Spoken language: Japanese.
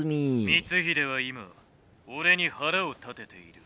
「光秀は今俺に腹を立てている」。